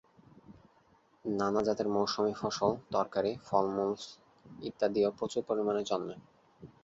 নানা জাতের মৌসুমি ফসল, তরকারী, ফলমূল ইত্যাদিও প্রচুর পরিমাণে জন্মে।